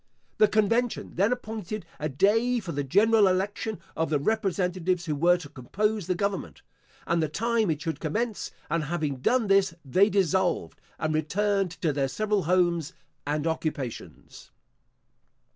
The convention then appointed a day for the general election of the representatives who were to compose the government, and the time it should commence; and having done this they dissolved, and returned to their several homes and occupations.